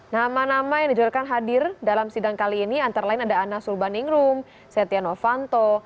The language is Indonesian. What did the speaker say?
nama nama yang dijurkan hadir dalam sidang kali ini antara lain ada ana sulbaningrum setia novanto